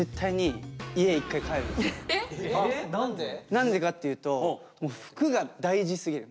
何でかっていうと服が大事すぎる。